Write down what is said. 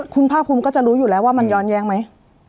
คุณภาคภูมิก็จะรู้อยู่แล้วว่ามันย้อนแย้งไหม